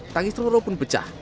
tangis roro pun pecah